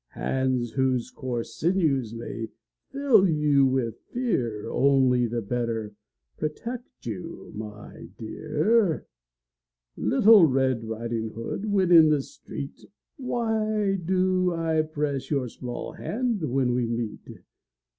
Hands whose coarse sinews may fill you with fear Only the better protect you, my dear! Little Red Riding Hood, when in the street, Why do I press your small hand when we meet?